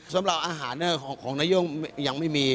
สำหรับอาหารของนาย่งยังไม่มี